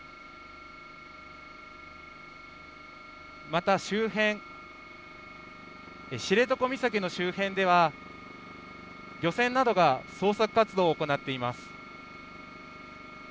また周辺、知床岬の周辺では漁船などが捜索活動を行っています。